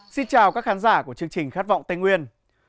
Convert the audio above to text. xin chào các khán giả của chương trình khát vọng tây nguyên